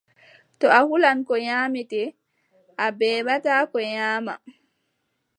To a hulan ko nyaamete, a beɓataa ko nyaama.